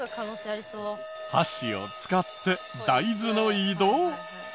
箸を使って大豆の移動。